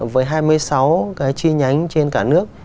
với hai mươi sáu cái chi nhánh trên cả nước